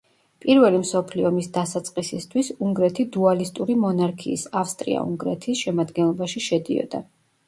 პირველი მსოფლიო ომის დასაწყისისთვის უნგრეთი დუალისტური მონარქიის, ავსტრია-უნგრეთის, შემადგენლობაში შედიოდა.